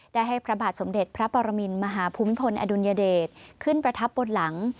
ได้ให้พระบาทสมเด็จพระปรมินมหาภูมิพลอดุลยเดชขึ้นประทับบนหลัง